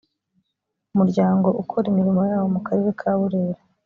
umuryango ukora imirimo yawo mu karere ka burera